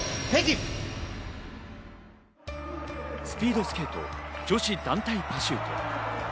スピードスケート女子団体パシュート。